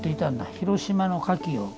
広島のカキを。